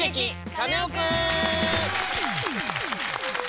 カネオくん」！